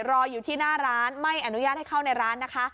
รออยู่ที่หน้าร้านไม่อนุญาตให้เข้าในร้านนะคะ